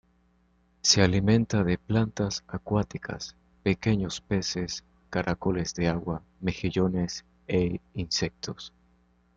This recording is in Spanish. Se alimenta de plantas acuáticas, pequeños peces, caracoles de agua, mejillones e insectos.